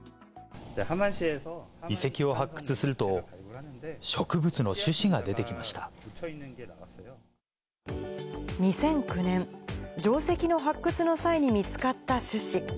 遺跡を発掘すると、植物の種２００９年、城跡の発掘の際に見つかった種子。